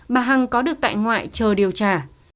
chín bà hằng có được tại ngoại chờ điều tra